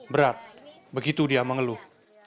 berat begitu dia mengeluh